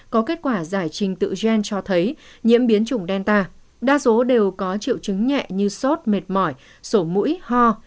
có kết quả giải trình tự gen cho thấy nhiễm biến chủng delta đa số đều có triệu chứng nhẹ như sốt mệt mỏi sổ mũi ho